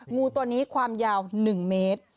งูตัวนี้ความยาว๑เมตร